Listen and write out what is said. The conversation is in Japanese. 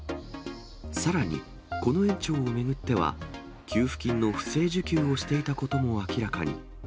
さらに、この園長を巡っては、給付金の不正受給をしていたことも明らかに。